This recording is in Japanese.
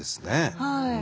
はい。